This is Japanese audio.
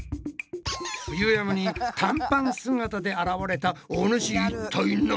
冬山に短パン姿で現れたお主いったい何やつ？